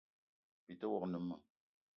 Byi te wok ne meng :